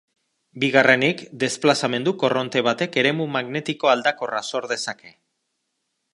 Bigarrenik, desplazamendu korronte batek eremu magnetiko aldakorra sor dezake.